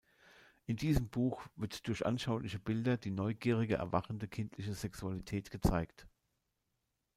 In dem Buch wird durch anschauliche Bilder die neugierige erwachende kindliche Sexualität gezeigt.